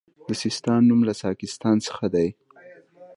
د سیستان نوم له ساکستان څخه دی